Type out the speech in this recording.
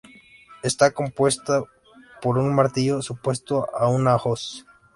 Está compuesto por un martillo superpuesto a una hoz.